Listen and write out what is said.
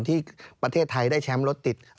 ที่ประเทศไทยได้แชมป์รถติด